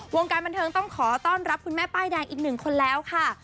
วงการบันเทิงต้องขอต้อนรับคุณแม่ป้ายแดงอีกหนึ่งคนแล้วค่ะ